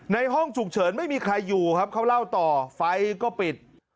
ห้องฉุกเฉินไม่มีใครอยู่ครับเขาเล่าต่อไฟก็ปิด